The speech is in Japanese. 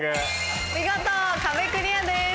見事壁クリアです。